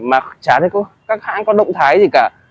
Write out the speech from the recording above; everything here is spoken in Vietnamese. mà chả thấy các hãng có động thái gì cả